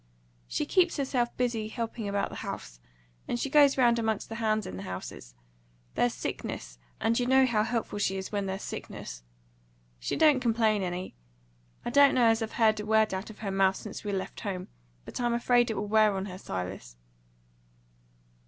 "She keeps herself busy helping about the house; and she goes round amongst the hands in their houses. There's sickness, and you know how helpful she is where there's sickness. She don't complain any. I don't know as I've heard a word out of her mouth since we left home; but I'm afraid it'll wear on her, Silas."